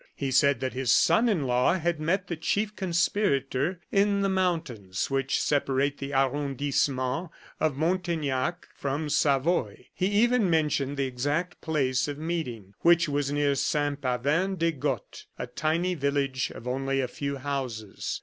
He said that his son in law had met the chief conspirator in the mountains which separate the arrondissement of Montaignac from Savoy. He even mentioned the exact place of meeting, which was near Saint Pavin des Gottes, a tiny village of only a few houses.